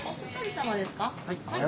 はい。